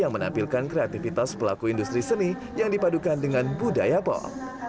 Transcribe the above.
yang menampilkan kreativitas pelaku industri seni yang dipadukan dengan budaya pol